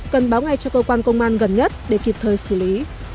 cần báo ngay cho cơ quan công an gần nhất để kịp thời xử lý